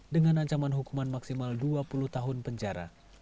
dengan ancaman hukuman maksimal dua puluh tahun penjara